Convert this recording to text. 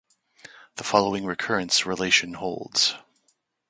The following recurrence relation holds.